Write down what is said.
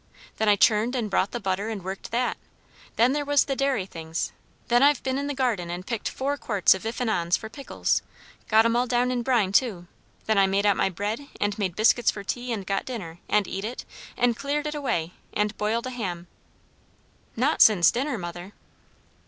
Then I churned and brought the butter and worked that. Then there was the dairy things. Then I've been in the garden and picked four quarts of ifs and ons for pickles; got 'em all down in brine, too. Then I made out my bread, and made biscuits for tea, and got dinner, and eat it, and cleared it away, and boiled a ham." "Not since dinner, mother?"